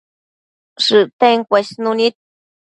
shëcten cuesnunid